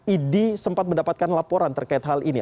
idi sempat mendapatkan laporan terkait hal ini